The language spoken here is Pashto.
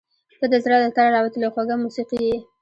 • ته د زړه له تله راوتلې خوږه موسیقي یې.